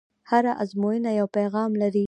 هره ازموینه یو پیغام لري.